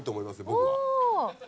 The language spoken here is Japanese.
僕は。